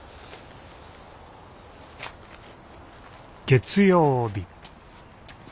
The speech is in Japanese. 月曜日